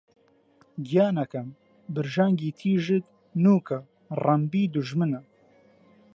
گیانەکەم! برژانگی تیژت نووکە ڕمبی دوژمنە